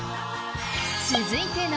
続いての